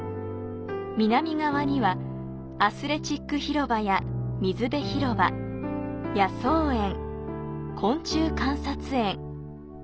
南側には、アスレチック広場や水辺広場、野草園、昆虫観察園。